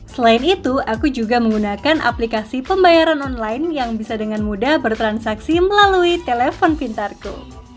selain itu aku juga menggunakan aplikasi pembayaran online yang bisa dengan mudah bertransaksi melalui telepon pintarku